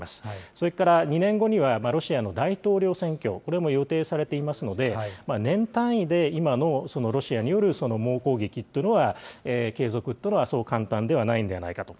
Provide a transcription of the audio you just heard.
それから２年後には、ロシアの大統領選挙、これも予定されていますので、年単位で今のロシアによる猛攻撃っていうのは、継続というのは、そう簡単ではないんではないかと。